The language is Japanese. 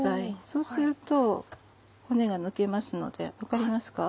そうすると骨が抜けますので分かりますか？